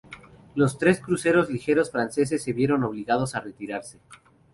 Los tres cruceros ligeros franceses se vieron obligados a retirarse.